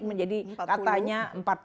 menjadi katanya empat puluh